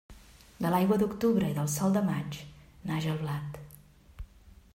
De l'aigua d'octubre i del sol de maig naix el blat.